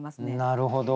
なるほど。